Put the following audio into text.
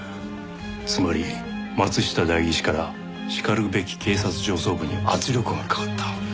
つまり松下代議士からしかるべき警察上層部に圧力がかかった。